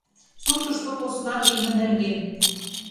СУРТЫШТО ПОСНА ЛИЙМЕ НЕРГЕН